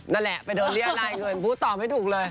นั่นแหละไปโดนเรียรายเงินพูดตอบไม่ถูกเลย